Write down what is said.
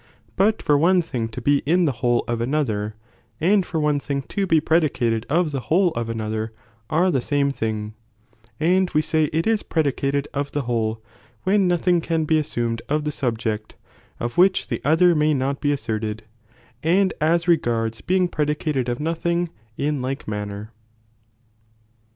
^ But for one thing to be in the whole of another, and for one thing to be predicated of the whole of another, are th^ same thing, 8 Definition ^^^^®^^^^*^® predicated of the whole, when no of predication thing cau be assumcd of the subject, of which the de omni et other may not be asserted, and as regards being predicated of nothing, in like manner.